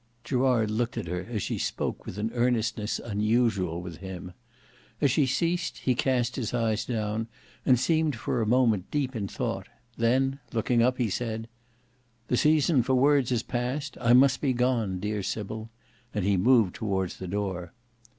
Gerard looked at her as she spoke with an earnestness unusual with him. As she ceased, he cast his eyes down, and seemed for a moment deep in thought; then looking up, he said, "The season for words is past. I must be gone, dear Sybil." And he moved towards the door.